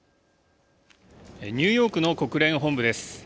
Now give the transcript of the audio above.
ニューヨークの国連本部です。